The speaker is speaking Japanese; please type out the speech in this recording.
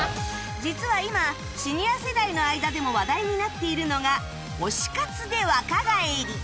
実は今シニア世代の間でも話題になっているのが推し活で若返り